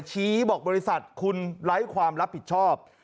ชี้บอกบริษัทคุณไร้ความรับผิดชอบ